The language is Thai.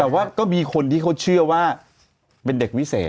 แต่ว่าก็มีคนที่เขาเชื่อว่าเป็นเด็กวิเศษ